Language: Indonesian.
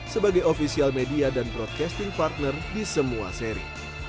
sebagai official media dan broadcasting partner di semua seri